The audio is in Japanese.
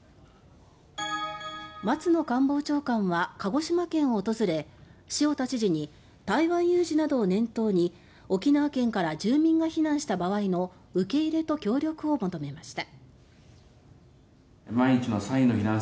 松野官房長官は鹿児島県を訪れ塩田知事に台湾有事などを念頭に沖縄県から住民が避難した場合の受け入れと協力を求めました。